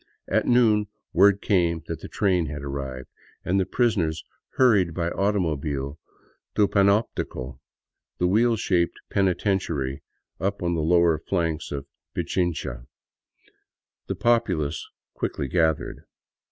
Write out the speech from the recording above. At noon word came that the train had arrived, and the prisoners hurried by automobile to the Panoptico, the wheel shaped penitentiary up on the lower flanks of Pichincha. The populace quickly gathered.